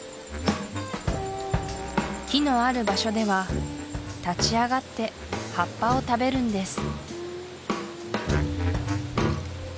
木のある場所では立ち上がって葉っぱを食べるんです